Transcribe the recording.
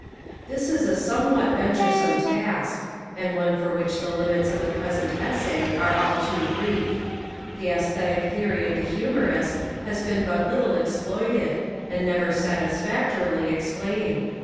This is a somewhat venturesome task, and one for which the limits of the present essay are all too brief. The esthetic theory of the humorous has been but little exploited, and never satisfactorily explained.